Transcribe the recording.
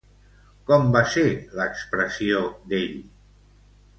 Com va ser l'expressió d'ell?